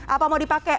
apa mau dipakai